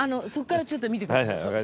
そこからちょっと見てください。